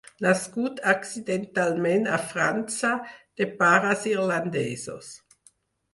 Nascut accidentalment a França, de pares irlandesos.